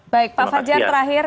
baik pak fajar terakhir